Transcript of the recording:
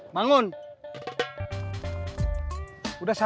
nenek ambil sarapan